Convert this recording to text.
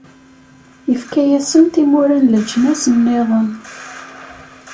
Ifka-asen timura n leǧnas-nniḍen.